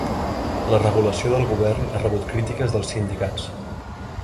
La regulació del govern ha rebut crítiques dels sindicats